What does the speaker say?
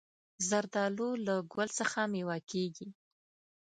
زردالو له ګل څخه مېوه کېږي.